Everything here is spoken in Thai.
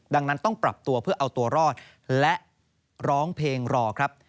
ดังนั้นต้องปรับตัวเพื่อเอาตัวรอดและร้องเพลงรอครับ